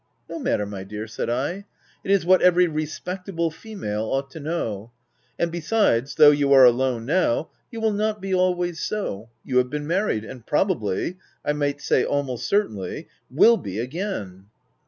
c No matter, my dear/ said I ;? it is what every respectable female ought to know ;— and besides, though you are alone now, you will not be always so ; you have been mar OF WILDFELL HALL. 17 ried, and probably — I might say almost cer tainly — will be again.'